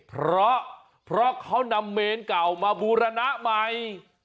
เพราะเพราะเขานำเมนเก่ามาบูรณะใหม่